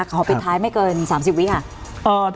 ขอพิจารณาท้ายไม่เกิน๓๐วิคกี้มาค่ะ